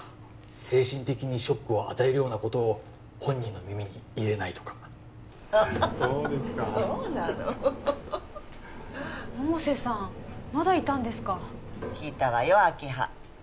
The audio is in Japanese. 精神的にショックを与えるようなことを本人の耳に入れないとかそうですかそうなのホッホッ百瀬さんまだいたんですか聞いたわよ明葉